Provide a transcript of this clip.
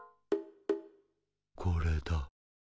これだ。